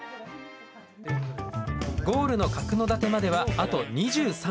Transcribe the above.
ゴールの角館まではあと２３駅。